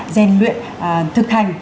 rèn luyện thực hành